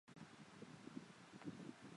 这个名称也是后来才出现的。